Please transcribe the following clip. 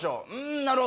なるほど。